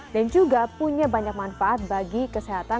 dan juga punya banyak manfaat bagi kesehatan